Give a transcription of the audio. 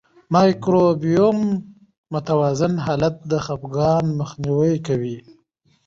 د مایکروبیوم متوازن حالت د خپګان مخنیوی کوي.